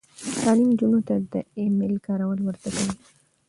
تعلیم نجونو ته د ای میل کارول ور زده کوي.